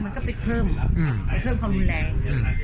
มันก็ไปเพิ่มครับไปเพิ่มความรุนแรง